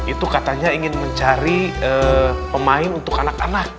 itu katanya ingin mencari pemain untuk anak anak